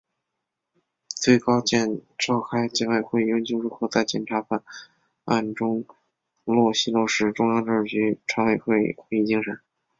最高检召开检委会研究如何在检察办案中落细落实中央政治局常委会会议精神